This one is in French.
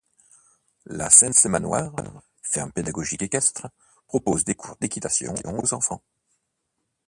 La Cense Manoir, ferme pédagogique équestre, propose des cours d'équitation aux enfants.